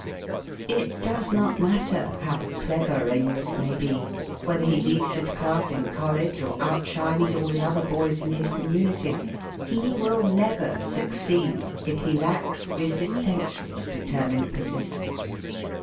It does not matter how clever a youth may be, whether he leads his class in college or outshines all the other boys in his community, he will never succeed if he lacks this essential of determined persistence.